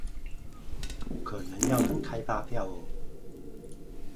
可能要能開發票喔